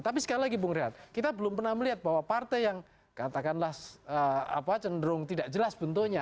tapi sekali lagi bung rehat kita belum pernah melihat bahwa partai yang katakanlah cenderung tidak jelas bentuknya